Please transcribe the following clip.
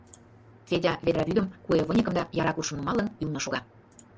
Федя, ведра вӱдым, куэ выньыкым да яра куршым нумалын, ӱлнӧ шога..